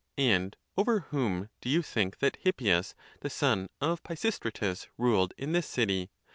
And over whom do you think that Hippias, the son of Pisistratus, ruled in this city